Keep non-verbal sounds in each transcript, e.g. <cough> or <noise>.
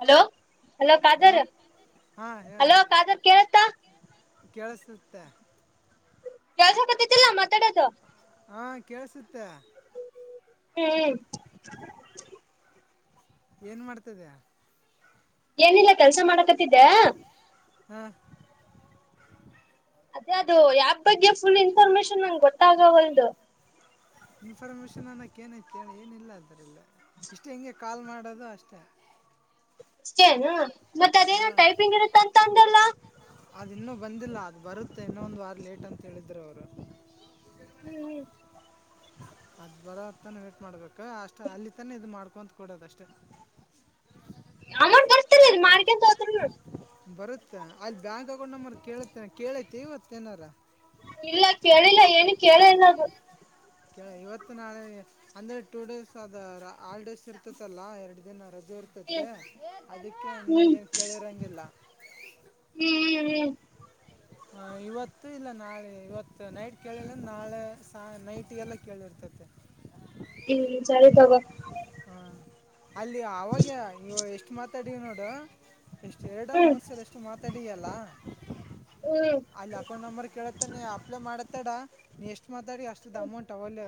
Hello hello ಹಾ ಹೇಳ hello Khader ಕೇಳತ್ತ ಕೇಳಸುತ್ತೆ. <unintelligible> ಹಾ ಕೇಳಸುತ್ತೆ. ಹ್ಮ್ <unintelligible> ಏನ್ ಮಾಡ್ತದಯ <unintelligible> ಏನಿಲ್ಲ ಕೆಲ್ಸ ಮಾಡಕತ್ತಿದ್ದ ಹ್ಮ ಅದೇ ಅದು <unintelligible> ಬಗ್ಗೆ ಫುಲ್ ಇನ್ಫಾರ್ಮೇಶನ್ ನಂಗೆ ಗೊತ್ತಾಗ ಹೊಲ್ದು ಇನ್ಫಾರ್ಮೇಶನ್ ಅನ್ನಕ್ <unintelligible> ಕೇಳಿ ಏನಿಲ್ಲ ಅದ್ರಲ್ಲ. ಇಷ್ಟ ಹಿಂಗೆ ಕಾಲ್ ಮಾಡೋದು ಅಷ್ಟೇ. ಅಷ್ಟೇನು ಮತ್ ಅದೇನೋ ಹಾಂ ಟೈಪಿಂಗ್ ಇರುತ್ತ ಅಂತ ಅಂದಲ್ಲ. ಅದು ಇನ್ನೂ ಬಂದಿಲ್ಲ ಅದು ಬರುತ್ತೆ ಇನ್ನೊ ಒಂದು ವಾರ ಲೇಟ್ ಅಂತೇಳಿದ್ರು ಅವರು ಹ್ಮ್ ಹ್ಮ್ <unintelligible> ಅದ್ ಬರೋ ತಾನ <unintelligible> ಮಾಡ್ಬೇಕ ಅಷ್ಟ ಅಲ್ಲಿ ತಾನೆ ಇದ್ ಮಾಡ್ <unintelligible> ಕೊಡೋದಷ್ಟೇ <unintelligible> ಬರುತ್ತೆ ಅಲ್ಲಿ ಬ್ಯಾಂಕ್ ಅಕೌಂಟ್ ನಂಬರ್ ಕೇಳತ್ತೇ <unintelligible> ಕೇಳೈತಿ ಇವತ್ತು ಏನಾರ. ಇಲ್ಲ ಕೇಳಿಲ್ಲ ಏನು ಕೇಳೆ ಇಲ್ಲ ಅದು <unintelligible> ಇವತ್ತು ನಾಳೆ ಅಂದ್ರೆ ಟೂ ಡೇಸ್ ಅದ ಹಾಲಿಡೇಸ್ ಇರ್ತತಲ್ಲಾ ಎರಡು ದಿನ ರಜ್ <unintelligible> ಅದಕ್ಕೆ ಇನ್ನ ಹ್ಮ್ ಹ್ಮ್ ಏನ್ ಕೇಳಿರಂಗಿಲ್ಲ. ಹ್ಮ್ ಹ್ಮ್. ಹ ಇವತ್ತು ಇಲ್ಲ ನಾಳೆ ಇವತ್ತು ನೈಟ್ ಕೇಳಿಲ್ಲ್ರ <unintelligible> ನಾಳೆ ಸಾ ನೈಟ್ಗೆಲ್ಲ ಕೇಳಿರ್ತತೆ. ಹ್ಮ್ <unintelligible> ತಗೋ. ಹಾಂ ಅಲ್ಲಿ ಅವಾಗ್ಯ <unintelligible> ಇವಾಗ ಎಷ್ಟು ಮಾತಾಡಿವ್ ನೋಡು ಎಷ್ಟು ಎರಡ ಹ್ಮ್ ಮೂರ್ ಸಲ ಎಷ್ಟು ಮಾತಾಡಿಯಲ್ಲ ಹ್ಮ್ ಅಲ್ಲಿ ಅಕೌಂಟ್ ನಂಬರ್ ಕೇಳತ್ತಾನೆ ಅಪ್ಲೈ ಮಾಡತ್ತೇಡ <unintelligible> ನೀ ಎಷ್ ಅಷ್ಟು ಮಾತಾಡಿ ಅಷ್ಟದು ಅಮೌಂಟ್ ಅವಲ್ಲೇ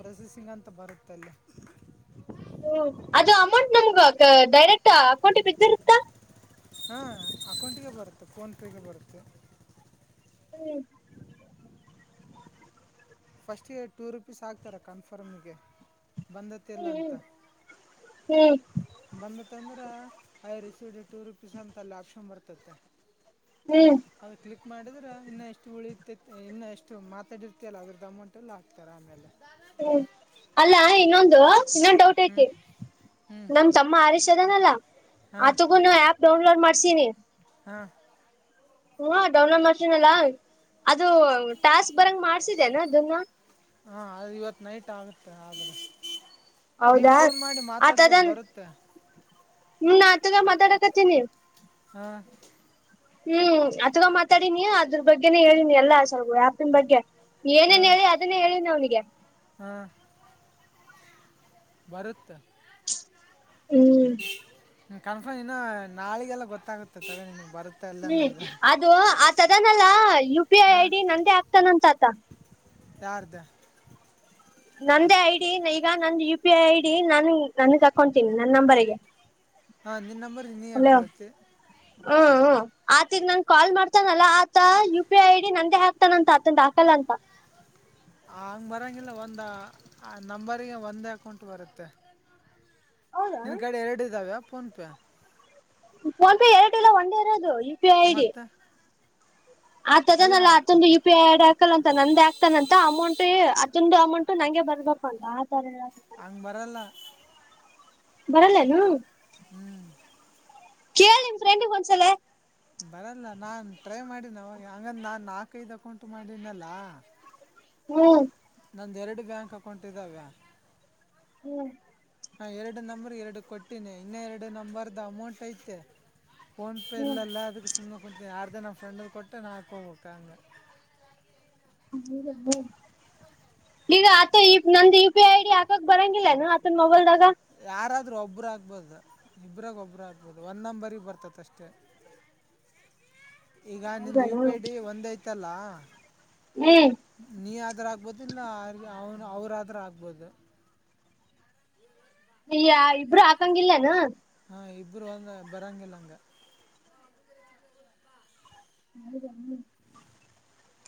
ಪ್ರೊಸೆಸಿಂಗ್ ಅಂತ ಬರುತ್ತ ಅಲ್ಲಿ. ಹ್ಮ ಅದು ಅಮೌಂಟ್ ನಮ್ಗ ಡೈರೆಕ್ಟ್ <unintelligible> ಅಕೌಂಟಿಗೆ ಬಿದ್ದಿರುತ ಹಾಂ ಅಕೌಂಟಿಗೆ ಬರುತ್ತೆ ಫೋನ್ಪೇಗೆ ಬರುತ್ತೆ. ಹ್ಮ್. ಫಸ್ಟ್ <unintelligible> ಟೂ ರುಪೀಸ್ ಹಾಕ್ತಾರ ಕನ್ಫರ್ಮ್ಗೆ. ಬಂದತಿಲ್ಲ <unintelligible> ಹ್ಮ್ ಅಂತ. ಹ್ಮ್ ಹ್ಮ್ ಬಂದತ್ತಂದ್ರೆ ಐ ರಿಸೀಡಿ ಟೂ ರುಪೀಸ್ ಅಂತ ಅಲ್ಲಿ ಆಪ್ಷನ್ ಬರ್ತಯ್ತೆ. <unintelligible> ಹ್ಮ್ ಅದು ಕ್ಲಿಕ್ ಮಾಡಿದ್ರೆ <unintelligible> ಇನ್ನು ಎಷ್ಟು ಉಳಿಯುತ್ ಇನ್ನು ಎಷ್ಟು ಮಾತಾಡಿರ್ತಲ್ಲ ಅದ್ರದ್ದ <unintelligible> ಅಮೌಂಟ್ ಎಲ್ಲ ಹಾಕ್ತಾರೆ ಆಮೇಲೆ ಹ್ಮ್ ಅಲ್ಲಾ ಇನ್ನೊಂದು ಇನ್ನೊಂದು ಡೌಟ್ ಹ್ಞೂ ಐತಿ. ಹ್ಞೂ ನಮ್ ತಮ್ಮ ಆರೀಷ್ ಅದನಲ್ಲ ಹಾಂ ಆತಗೂನು ಆಪ್ ಡೌನ್ಲೋಡ್ ಮಾಡ್ಸಿನಿ. ಹಾಂ. ಹ್ಮ ಡೌಲೋಡ್ ಮಾಡ್ಸಿನ್ ಅಲ್ಲ ಅದು ಟಾಸ್ಕ್ ಬರಂಗ ಮಾಡ್ಸಿದೇನ ಅದನ್ನ <unintelligible> ಹಾ <unintelligible> ಅ ಇವತ್ ನೈಟ್ ಆಗುತ್ತೆ ಆದ್ರ. ನೀವ ಹೌದಾ ಫೋನ್ ಮಾಡಿ ಮಾತಾಡ್ಬೋದು ಆತದನ್ ಬರುತ್ತೆ. ಹ್ಮ್ <unintelligible> ಮಾತಾಡಕತೀನಿ. <unintelligible> ಹ್ಮ್ <unintelligible> ಮಾತಾಡಿನಿ ಅದ್ರ ಬಗ್ಗೆನೇ ಹೇಳನಿ ಎಲ್ಲಾ ಯ್ಯಾಪನ್ ಬಗ್ಗೆ. ಏನೇನ್ ಹಾಂ ಹೇಳಿ ಅದನ್ನೇ ಹೇಳಿನ ಅವ್ನಿಗೆ <unintelligible> ಬರುತ್. <unintelligible> ಹ್ಮ್. ಹ್ಮ ಕನ್ಫರ್ಮ್ ಇನ್ನು ನಾಳಿಗೆಲ್ಲ ಗೊತ್ತಾಗುತ್ತೆ ತಗ ನಿಮಗೆ. ಬರುತ್ತೆ ಇಲ್ಲ ಹ್ಮ್ ಅನ್ನೋದು ಅದು ಆ ತದಾನಲ್ಲ U P I I D ನಂದೇ ಆಗ್ತಾನಂತ ಆತ. ಯಾರದ. ನಂದೇ ಐಡಿ ಈಗ ನಂದು ಯು ಪಿ ಐ ಐಡಿ ನನ್ ನನ್ನ ತಕೊತೀನಿ ನನ್ನ ನಂಬರ್ಗೆ. ಹಾ ನಿನ್ ನಂಬರ್ ನೀ ಹಾ ಹಲೋ ಕೊಳತ್ತ. ಹ್ಮ್ ಆತ ನನ್ ಕಾ ಮಾಡತಾನಲ್ಲ ಆತ ಯು ಪಿ ಐ ಐಡಿ ನಂದೇ ಹಾಕ್ತಾನಂತ ಆತಾ ಅಂತ ಹಂಗೆ ಬರೋಂಗಿಲ್ಲ ಒಂದು ಆ ನಂಬರ್ರಿಗೆ ಒಂದೇ ಅಕೌಂಟ್ ಬರುತ್ತೆ. ಹೌದಾ ನಿನ್ ಕಡೆ ಎರಡು ಇದ್ದಾವೆ ಫೋನ್ಪೇ. ಫೋನ್ ಪೇ ಎರಡು ಇಲ್ಲ ಒಂದೇ ಇರೋದು ಪಿ ಐ ಐ ಡಿ ಮತ್ತೆ. ಆತದನಲ್ಲ ಅತೊಂದು ಯು ಪಿ ಐ ಆರ್ಡ್ ಹಾಕಲ್ಲ ಅಂತ ನಂದೇ ಆಗ್ತಾನಂತ. ಮ ಅಮೌಂಟ್ ಅದೊಂದು ಅಮೌಂಟ್ ನಂಗೆ ಬರ್ಬೇಕು ಅಂತ ಆತರ ಹಂಗ್ ಬರಲ್ಲ. ಬರಲ್ಲನು. ಹ್ಮ್. ಕೇಳ ನಿಮ ಫ್ರೆಂಡಿಗೆ ಒಂದ್ಸಲ. ಬರಲ್ಲ ನಾನ್ ಟ್ರೈ ಮಾಡೀನ ಅವಾಗ ಹಂಗಂದ ನಾನ್ ನಾಲ್ಕೈದ ಹಾಕ ಉಂಟು ಮಾಡನಲ್ಲ. ಹ್ಮ್. ನನ್ನ ಎರಡು ಬ್ಯಾಂಕ್ ಅಕೌಂಟ್ ಇದ್ದಾವೆ. ಹ್ಮ್. ಹಾ ಎರಡು ನಂಬರ್ ಎರಡು ಕೊಟ್ಟೀನಿ ಇನ್ನ ಎರಡು ನಂಬರ್ದ ಅಮೌಂಟ್ ಐತೆ. ಫೋನ್ ಪೇ ಹ್ಮ್ ಇಲ್ಲಲ್ಲ ಅದುಕ್ಕೆ ಸುಮ್ನೆ ಯಾರಾರ್ ಇದ ನಮ್ಮ ಫ್ರೆಂಡ್ ಕೊಟ್ಟೆ ನಾ ಹಾಕ ಹೋಗ್ಬೇಕಂಗ ಹ್ಮ <unintelligible> ಈಗ ಆತ ನಂದ U P I I D ಹಾಕಕ್ ಬರಂಗಿಲ್ಲಾನ ಆತನ್ ಮೊಬೈಲ್ದಾಗ ಯಾರಾದ್ರೂ ಒಬ್ಬರು ಆಗ್ಬೋದು ಇಬ್ರಾಗ ಒಬ್ಬ್ರ ಆಗ್ಬೋದು ಒಂದ್ ನಂಬರ್ಗ್ ಬರ್ತತಿ ಅಷ್ಟೇ <inaudible> ಈಗ ನಿಮ ಹೌದಾ ಯು ಪಿ ಐ ಡಿ ಒಂದ್ ಐತಲ್ಲ ಹ್ಮ್ ನೀ ಆದ್ರ ಆಗ್ಬೋದು ಇಲ್ಲ ಅವ ಅವನು ಅವ್ರಾದ್ರ ಆಗ್ಬೋದು ಈ ಇಬ್ರು ಹಾಕಂಗಿಲ್ಲೇನು ಹ ಇಬ್ರು ಅಂದ ಬರಾಂಗಿಲ್ಲ ಅಂಗ ಹೌದನು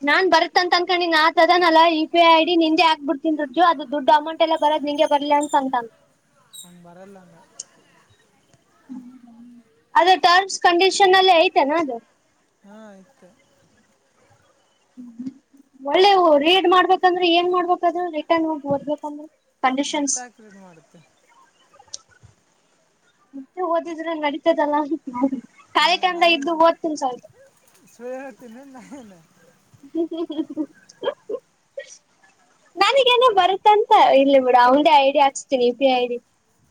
ನಾನ್ ಬರತ್ತ ಅನ್ಕೊಂಡಿ ಆತದಾನಲ್ಲ ಯು ಪಿ ಐ ಐಡಿ ನಿಂದೆ ಆಕ್ಬಿಡ್ತೀನ್ ರುಜ ಅದು ದುಡ್ ಅಮೌಂಟ್ ಎಲ್ಲ ಬರ ನಿಂಗೆ ಬರ್ಲಿ ಅಂತ <unintelligible> ಹ್ ಬರಲ್ಲಂದ ಅದು ಟರ್ಮ್ಸ್ ಕಂಡೀಷನ್ ಅಲ್ಲಿ ಐತೆನಾ ಅದು ಹಾ ಆಯ್ತು ಒಳ್ಳೇ ರೀಡ್ ಮಾಡ್ಬೇಕಂದ್ರೆ ಏನ್ ಮಾಡ್ಬೇಕದು ರಿಟರ್ನ್ ಹೋಗ ಓದ್ಬೇಕಂದ್ರೆ ಮತ್ತ ಕಂಡೀಷನ್ಸ್. ಆಕ್ರಡ್ ಮಾಡುತ್ತೆ ಮತ್ತೆ ಓದಿದ್ರೆ ನಡತದಲ್ಲ ಹಾ ನಾಯನ್ ಸ್ವಲ್ಪ. ಸುಳ್ಳ ಹಡ್ತೀನ ನನ್ ಹ್ಮ ಹ್ಮ್ ಹ್ಮ ಹ್ಮ ನನಗೇನೋ ಬರುತ್ತ ಅಂತ ಇಲ್ಲಿ ಬಿಡು ಅವೇ ಐಡಿ ಹಾಕ್ತೀನಿ ಇ ಪ್ರಿ ಐಡಿ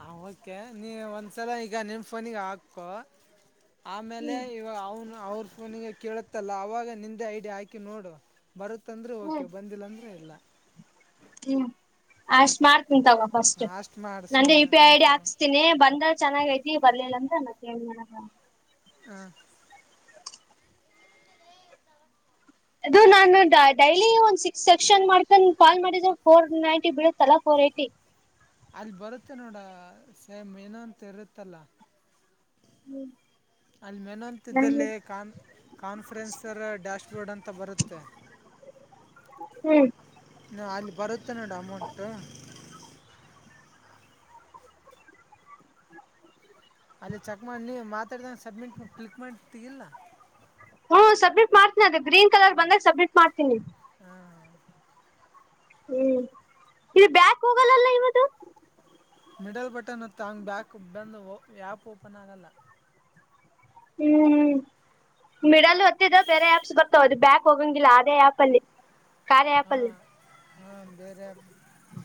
ಹ ಓಕೆ ನೀ ಒಂದ್ಸಲ ಈಗ ನಿಮ ಫೋನಿಗೆ ಹಾಕು ಆಮೇಲೆ ಹ್ಮ್ ಇವಾಗ ಅವನು ಅವ್ರ ಫೋನಿಗೆ ಕೇಳತ್ತಲ್ಲ ಅವಾಗ ನಿಂದೆ ಐಡಿಯಾ ಹಾಕಿ ನೋಡು ಬರುತ್ತಂದ್ರೆ ಓಕೆ ಹ್ಮ್ ಬಂದಿಲ್ಲ ಅಂದ್ರೆ ಇಲ್ಲ ಹ್ಮ್ ಅಷ್ಟ್ಮಾರ ತಗ ಫಸ್ಟ್ ಹಾಂ ಅಷ್ಟು ಮಾಡು ಅಂದೆ ಸುಮ್ಮನೆ U P I I D confirm ಹಾಕ್ಸ್ತೀನಿ ಬಂದ್ರ ಚೆನ್ನಾಗ ಐತಿ ಬರ್ಲಿಲ್ಲ ನಂಗೆನ್ಮಡಕ್ ಆಗುತ್ತೆ ಹ ಇದು ನಾನು ಡೈಲಿ ಒಂದ್ ಸಿಕ್ಸ್ ಸೆಕ್ಷನ್ ಮಾಡ್ಕೊಂಡ್ ಕಾಲ್ ಮಾಡಿದ ಫೋರ್ ನೈಂಟಿ ಬಿಡಲ ಪ್ರೀತಿ ಅಲ್ಲಿ ಬರುತ್ತೆ ನೋಡ ಸೇಮ್ ಏನೋಂತ ಇರುತ್ತಲ್ಲ ಅಲ್ಲಿ ಹ್ಮ್ ಮೆನಂತಲ್ಲಿ ಕಾ ಕಾನ್ಫರೆನ್ಸರ್ ಡ್ಯಾಶ್ ಕಡ್ ಅಂತ ಬರುತ್ತೆ ಹ್ಮ್ ನಾ ಅಲ್ಲಿ ಬರುತ್ತೆ ನೋಡು ಅಮೌಂಟು ಅಲ್ಲಿ ಚೆಕ್ ಮಾಡ ನೀ ಮಾತಾಡಿದಂಗ ಸಬ್ಮಿಟ್ ಕ್ಲಿಕ್ ಮಾಡ್ತಿಗಿಲ್ಲಾ ಹ್ಮ ಸಬ್ಮಿಟ್ ಮಾಡ್ತೀನಿ ಅದ ಗ್ರೀನ್ ಕಲರ್ ಬಂದಾಗ ಸಬ್ಮಿಟ್ ಮಾಡ್ತೀನಿ ಹಾಂ ಹ್ಮ್ ಇದು ಬ್ಯಾಕ್ ಹೋಗಲ್ಲಲ್ಲ ಇವದು ಮಿಡಲ್ ಬಟನ್ ಹೊತ್ತ ಹಂಗ್ ಬ್ಯಾಕ್ ಬಂದು ಆಪ್ ಓಪನ್ ಆಗಲ್ಲ ಹ್ಮ್್ಮ ಮಿಡಲ್ ಹೊತ್ತಿದ್ರೆ ಬೇರೆ ಆ್ಯಪ್ಸ್ ಬರ್ತಾವ ಅದು ಬ್ಯಾಕ್ ಹೋಗಂಗಿಲ್ಲ ಅದೇ ಆ್ಯಪ್ ಅಲ್ಲಿ ಕಾರ್ಯ ಹ್ಯಾಪಲ್ಲಿ ಹಾ ಬೇರೆ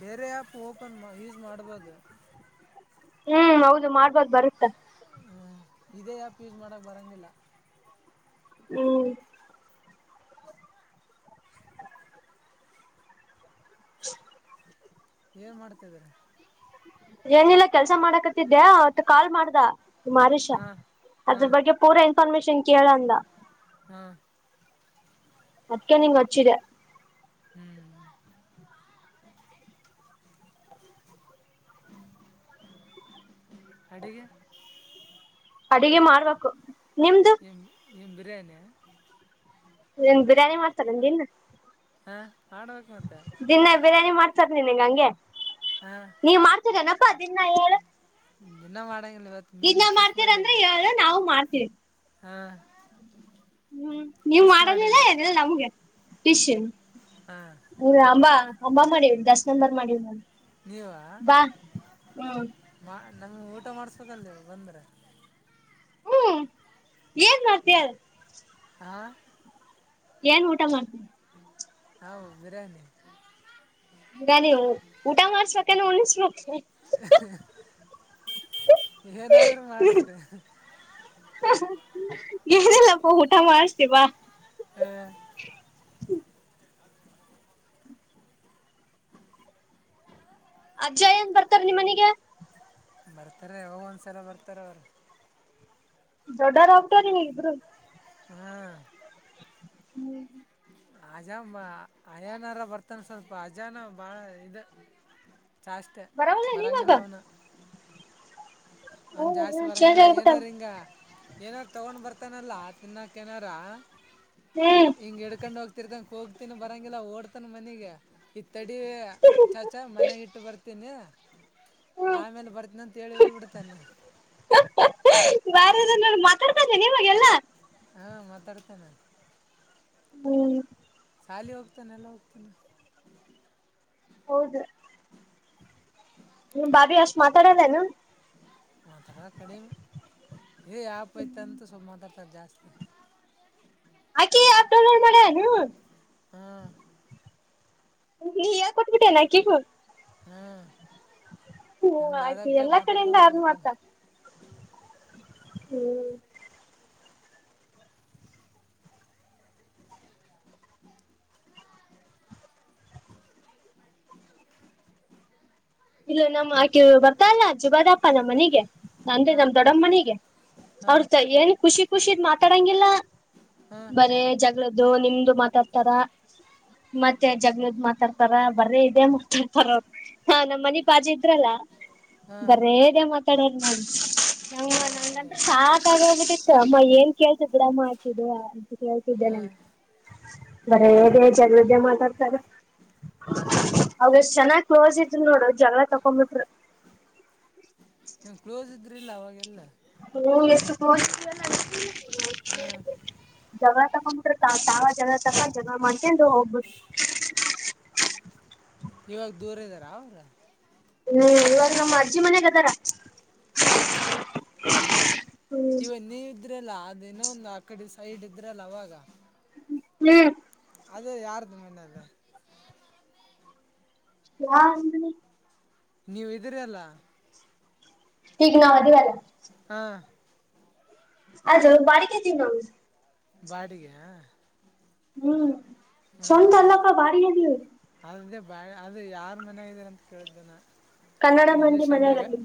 ಬೇರೆ ಆ್ಯಪ್ ಓಪನ್ ಯೂಸ್ ಮಾಡ್ಬೋದು ಹ್ಮ್ ಹೌದು ಮಾಡ್ಬೋದು ಬರುತ್ತಾ ಹ್ಮ್ ಇದೇ ಯಾಪ್ ಯೂಸ್ ಮಾಡಕ್ ಬರಂಗಿಲ್ಲ ಹ್ಮ್ ಚಾಕ್ ಏನ್ ಮಾಡ್ತಿದ್ರ ಏನಿಲ್ಲ ಕೆಲ್ಸ ಮಾಡಕತ್ತಿದ್ದ್ಯಅವತ್ತು ಕಾಲ್ ಮಾಡ್ದ ನಿರೀಷ ಹಾಂ ಅದ್ರ ಹಾಂ ಬಗ್ಗೆ ಪೂರಾ ಇನ್ಫಾರ್ಮೇಶನ್ ಕೇಳಂದ ಹಾಂ ಅದ್ಕ ನಿಂಗ ಹಚ್ಚಿದೆ ಹ್ಮ್ ಅಗೆ ಅಡಗೆ ಮಾಡಾರ್ಬೇಕು ನಿಮ್ದು ನೀನು ಬಿರಿಯಾನಿ ಇನ್ ಬಿರಿಯಾನಿ ಮಾಡ್ತಾರ ನಿನ್ ಹಾಂ ಮಾಡ್ಬೇಕು ಮತ್ತೆ ದಿನ ಬಿರಿಯಾನಿ ಮಾಡ್ಸದ ನೀ ನಿಂಗ ಹಂಗೆ ಹಾಂ ನೀವ ಮಾಡ್ತರೇನಪ್ಪಾ ದನ್ನ ಹೇಳ ಇನ್ನೂ ಮಾಡೋಂಗಿಲ್ಲ ಇವತ್ತು ಮೀನು ಇದನ್ನ ಫಿಶ್ ಮಾಡ್ತೀರಂದ್ರೆ ಹೇಳ್ದ ನಾವು ಮಾಡ್ತೀವಿ ಹಾ ಹ್ಮ್ ನೀವ್ ಮಾಡದಿಲ್ಲ ಎದೆಲ್ಲ ನಮ್ಗೆ ಫಿಶ್ ಹಾಂ ಹ ಅಂಬಾ ಅಂಬಾ ಮಾಡೀವ ದಸ್ ನಂಬರ್ ಮಾಡೀವ ನ ನೀವಾ ಬಾ ಹ್ಮ್ ನಮ್ಗೆ ಊಟ ಮಾಡ್ಸ್ಬೇಕಲ್ ಬಂದ್ರೆ ಹ್ಮ್ ಏನ್ ಮಾಡ್ತ ಹ ಏನ್ ಊಟ ಮಾಡ್ತೀ ಹಾ ಬಿರಯಾನಿ ಹ ನೀವು ಊಟ ಮಾಡಸ್ಬೇಕ ಉಣಿಸ ಏನಾದ್ರೂ ಮಾಡ್ಸ್ ಏನಲ್ಲಪ್ಪ ಊಟ ಮಾಡ್ತೀವಾ ಹ ಅಜ್ಜಯ ಏನ್ ಬರ್ತಾರ ನಿಮ್ಮನಿಗೆ ಬರ್ತಾರ ಅವಾಗ ಒಂದ್ಸಲ ಬರ್ತಾರ ಅವ್ರ ದೊಡ್ಡಾರ ಹೋಗತಾರ ನೀ ಇಬ್ರು ಹ್ಮ್ ಹ್ಮ್ ಅಜ ಅಯಾನಾರ ಬರ್ತನ್ ಸ್ವಲ್ಪ ಅಜಾನ ಬಾಳ ಇ ಚಾಷ್ಟೆ ಬರವಲ್ಲ ಬರಂಗಿಲ್ಲ ನೀವಾಗ ಅವನು ಒಂದ್ ಹೌದ ಜಾಸ್ತಿ ಚೇಂಜ್ ಬರಂಗಿಲ್ಲ ಆಗ್ಬಿಟ್ಟಲ್ ಏನಾರ ಹಿಂಗ ಏನಾರ ತಗೊಂಡ್ ಬರ್ತಾನಲ್ಲ ತಿನ್ನಕ ಏನಾರ ಹಿಂಗ ಇಡ್ಕೊಂಡ್ ಹೋಗ್ತ ರ್ದಂ ಹೋಗ್ತನ ಬರಂಗಿಲ್ಲ ಓಡ್ತಾನ ಮನಗೆ ತೆಡಿ ಚಾಚಾ ಮನೆಾಗ ಇಟ್ಟ ಬರ್ತೀನಿ ಆಮೇಲೆ ಬರ್ತಿನನ ಅಂತ ಹೇಳಿ ಹೋಗ್ಬಿಡ್ತ ಬಾರ ನೋಡಿ ಮಾತಾಡ್ತದೆ ನಿಮಗೆಲ್ಲ ಹಾ ಮಾತಾಡ್ತೇನೆ ಹ್ಮ್ ಸಾಲಿ ಹೋಗ್ತಾನ ಎಲ್ಲ ಹೋಗ್ತಾನ ಹೌದು ನಿಮ್ ಬಬಿ ಅಷ್ಟ್ ಮಾತಾಡೋದನು ಮಾತಾಡ ಕಡಿಮೆ ಏ ಯಾಪ್ ಐತಂತ ಸ್ವಲ್ಪ ಮಾತಾಡ್ತದ ಜಾಸ್ತಿ ಆಕಿ ಆಪ್ ಡೌನ್ಲೋಡ್ ಮಾಡ್ಯಾನು ಹಾಂ ನೀ ಯಾ ಕೊತ್ಬಿಟ್ಟೆನಾ ಕಗೂ ಹ್ಮ್ ಹ್ಮ ಆಕೀ ಎಲ್ಲಾ ಕಡೆಯಿಂದ ಆದ ಮಾತ ಕೊಡ್ತಾಳೆ ಹ್ಮ್ ಇಲ್ಲ ನಮ್ಮ್ ಆಕೆ ಮತ್ತು ಬರ್ತಾಲ್ಲ ಜುಬದಪ್ಪಾ ನಮ್ಮ್ ಮನಿಗೆ ಅಂದ್ರೆ ಹಾಂ ನಮ್ ದೊಡ್ಡಮ್ಮ ಮನಿಗೆ ಅವ್ರ ಹಾಂ ಏನ್ ಖುಷಿ ಖುಷಿದ್ ಮಾತಾಡಂಗಿಲ್ಲ ಹಾಂ ಬರೇ ಜಗಳದ್ದು ನಿಮ್ದು ಮಾತಾಡ್ತಾರ ಮತ್ತೆ ಜಗ್ಗಳದ ಮಾತಾಡ್ತಾರ ಬರ ಇದೆ ಹ ಹಾ ನಮ್ಮ ಮನಿ ಪಾಜಿ ಇದ್ರಲ್ಲ ಹಾಂ ಬರೇದ ಮಾತಾಡೋ ಮಾಡಿ. ಹ ಇದೇ ನಂತ ಮಾತಾಡ್ಯಾರ ಸಾಕಾಗೋಗ್ಬಿಟ್ಟಿತ್ತು ಅಮ್ಮ ಏನ್ ಕೇಳ್ಸ್ ಗಡಮ್ಮ ಹಾಕಿದ. ಹೇಳ್ತಿದ್ದೇನೆ ಹಾಂ ಬರ ಹೇಗೆ ಜಾಗ ವದೆ ಮಾತಾಡ್ತಾರೆ. ಹಾಂ ಅವಷ್ಟ್ ಚೆನ್ನಾಗ್ ಕ್ಲೋಸ್ ಇದರು ನೋಡು ಜಗಳ ತಕೊಬಿಟ್ರಿ. ಕ್ಲೋಸ್ ಇದ್ರಿಲ್ಲ ಅವಾಗೆಲ್ಲ. ಹ್ಮ್ ಎಷ್ಟ ಫೋನ್ ಹ್ಮ ಜ ತಕೊ್ಬಿಟ್ರ ತ ತಾವ ಜ ತಕೊಂಡ ಜ ಮ್ತನ್ ಹೋಗ್ಬಿ. ಇವಾಗ ದೂರ ಇದ್ದಾರ ಅವ್ರ. ಹ್ಮ್ಲ್ ಮಾಡ. ಮನೆಗದರ ಹಾಂ ಹ. ಇವಾಗ ನೀವು ಇದ್ರಲ್ಲ ಅದೇನೊ ಒಂದು ಆಕಡೆ ಸೈಡ್ ಇದ್ರಲ್ಲ ಅವಾಗ ಹ್ಮ್. ಅದ ಯಾರ್ದನ ಅಲ್ಲ. ಯಾ ಅಂದಿ. ನೀವು ಇದ್ದೀರಿ ಅಲ್ಲ. ಈಗ ನಾವು ಇದೀವಿ ಅಲ್ಲ ಹಾ. ಅದು ಬಾಡ ಕತೀವಿ ನಾವು. ಬಾಡಿಗೆ. ಹ್ಮ್ ಸವಂತ ಹ್ಮ್ ಅಲ್ಲಪ ಭಾಡಿಗಿ ಆದಿವಿ. ಬ ಅದ ಯಾರ್ ಮನ್ಗ ಇದರ ಅಂತ ಕೇಳಿದ್ದನ. ಕನ್ನಡ ಮಂದಿ ಮನೆಯರಲ್ಲಿ.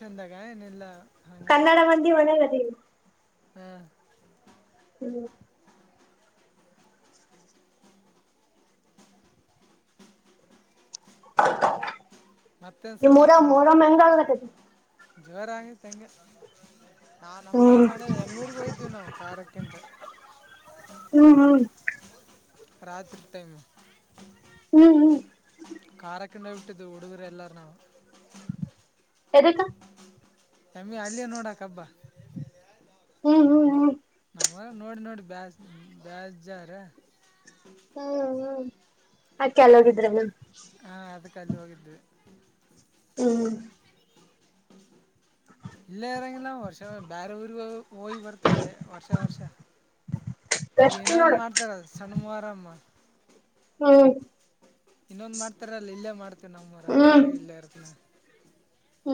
ಚಂದಾಗ ಏನಲ್ಲ. ಕನ್ನಡ ಮಂದಿ ಮನಾಗ ಆದಿವಿ. ಹ್ಮ. ಹ್ಮ್. ಮತ್ತೇನು ಈ ನಿಮ್ ಊರಗ ಸಮಾಚಾರ ಮೋರಂ ಹೆಂಗ್ ಆಗತದ ಜೋರ ಹಂಗ ತಂಗ ನಾ ನಮ್ಮ್ರ ಹ್ಮ್ ಮಾಡ್ಯ ಎಮ್ನೂರ್ಗೋಯ್ದೇವಿ ನಾವು ಕಾರಖಕ್ಕಂತ. ಹ್ಮ್ ಹ್ಮ್ ರಾತ್ರಿ ಟೈಮ್. ಹೂ ಹೂ ಕಾರ್ಯಕೊಂಡು ಹೋಗಿ ಬಿಟ್ಟಿದ್ವಿ ಹುಡುಗರು ಎಲ್ಲಾರ ನಾವು. ಎದಕ್ಕ ನಮ್ಮಿ ಅಲ್ಲಿ ನೋಡಕ್ ಹಬ್ಬ. ಹೂ ಹೂ ಹೂ ನೋಡಿ ನೋಡಿ ಬೇ ಬೇಜ್ಜ್ರ. ಹೂ ಹೂ ಅದ್ಕೆ ಎಲ್ಲಿ ಹೋಗಿದ್ರೇನ ಕಲ್ಲ ಹೋಗಿದ್ದ್ವಿ. ಹೂ ಇಲ್ಲ ಇರಂಗಿಲ್ಲ ವರ್ಷ ಬೇರೆ ಊರಿಗೆಗ ಹೋಗಿ ಬರ್ತಡೇ ವರ್ಷ ವರ್ಷ. ಈಗ ಎಷ್ಟು ಇನ್ನೊಂದು ನೋಡು ಮಾಡ್ತಾರ ಸಣ್ಣಮೋರಂ. ಹ್ಮ್ ಇನ್ನೊಂದ್ ಮಾಡ್ತಾರಲ್ಲ ಇಲ್ಲೇ ಮಾಡ್ತವಿ ನಮ್ಮ್ ಮರ ಅವಾಗ ಇಲ್ಲೇ ಇರ್ತನ. ಹೂ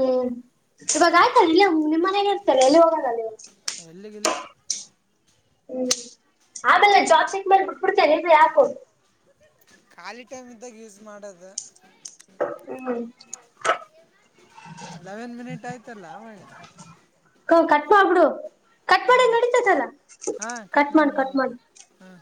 ಇವಾಗ ಆಯ್ತಲ್ಲ ಇಲ್ಲ ನಿಮ್ಮ ಮನೇನ ಇರ್ತಾರೆ ಎಲ್ಲಿ ಹೋಗಲ್ಲಲ್ಲ ಇವಾಗ. ಎಲ್ಲಿಗಿಲ್ಲ. ಹೂ ಆಮೇಲೆ ಜಾಬ್ ಚೆಕ್ ಮೇಲೆ ಬಿಟ್ಬಿಡ್ತೇನೆ ಈ ಆ್ಯಪ್ ಖಾಲಿ ಟೈಮ್ ಇದ್ದಾಗ ಯೂಸ್ ಮಾಡೋದು. ಹ್ಮಹೂ ಲೆವೆನ್ ಮಿನಿಟ್ ಆಯ್ತಲ್ಲ ಅವಳ. ಹೂ ಕಟ್ಪ ಮಾಡಿಬಿಡು. ಹಾ ಹಾ ಕಟ್ ಮಾಡಿ ಮಾಡಬಹುದು ಹಾ.